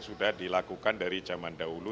sudah dilakukan dari zaman dahulu